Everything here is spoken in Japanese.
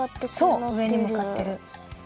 そううえにむかってる。